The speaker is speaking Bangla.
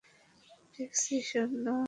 ট্রিক্সি সোনা, ঘুমানোর সময় হয়েছে।